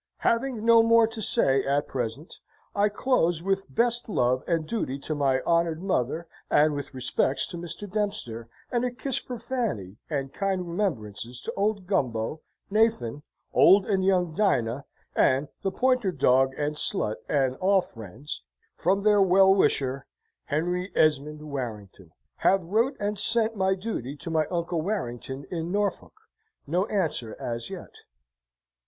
"Having no more to say, at present, I close with best love and duty to my honoured Mother, and with respects to Mr. Dempster, and a kiss for Fanny, and kind remembrances to Old Gumbo, Nathan, Old and Young Dinah, and the pointer dog and Slut, and all friends, from their well wisher HENRY ESMOND WARRINGTON." "Have wrote and sent my duty to my Uncle Warrington in Norfolk. No anser as yet."